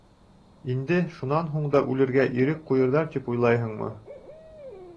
Инде шунан һуң да үлергә ирек ҡуйырҙар тип уйлайһыңмы?